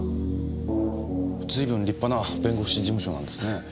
随分立派な弁護士事務所なんですね。